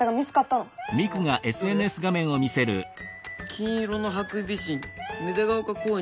「金色のハクビシン、芽出ヶ丘公園に出没！？」。